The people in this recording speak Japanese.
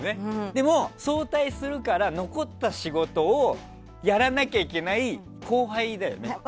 でも、早退するから残った仕事をやらなきゃいけない後輩だよね。